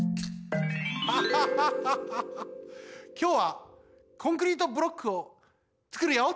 ハハハハきょうはコンクリートブロックをつくるよ！